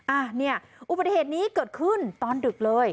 อ่ะเนี่ยอุบัติเหตุนี้เกิดขึ้นตอนดึกเลย